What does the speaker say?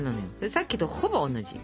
さっきとほぼ同じ。